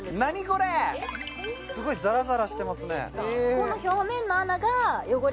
すごいザラザラしてますね